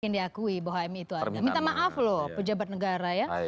minta maaf loh pejabat negara ya